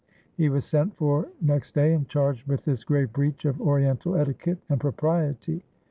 He was sent for next day and charged with this grave breach of Oriental etiquette and propriety.